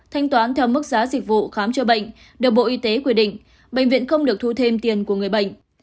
thanh toán theo mức giá dịch vụ khám chữa bệnh được bộ y tế quy định bệnh viện không được thu thêm tiền của người bệnh